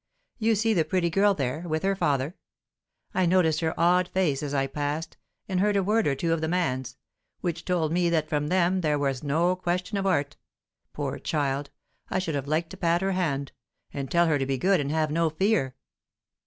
You see the pretty girl there, with her father. I noticed her awed face as I passed, and heard a word or two of the man's, which told me that from them there was no question of art. Poor child! I should have liked to pat her hand, and tell her to be good and have no fear."